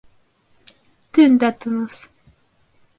Төн дә тыныс.